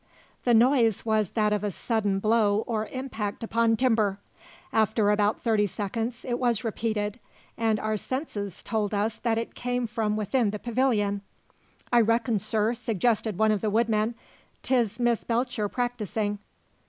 The noise was that of a sudden blow or impact upon timber. After about thirty seconds it was repeated, and our senses told us that it came from within the pavilion. "I reckon, sir," suggested one of the woodmen, "'tis Miss Belcher practising."